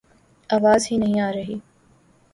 آواز ہی نہیں آرہی